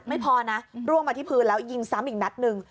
ไม่พอนะร่วงมาที่พื้นแล้วยิงซ้ำอีกนัดหนึ่ง